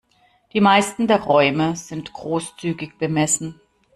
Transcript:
Die meisten der Räume sind großzügig bemessen.